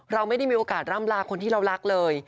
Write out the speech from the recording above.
เราไม่ได้มีโอกาสร่ำลาคนที่เรารักเลย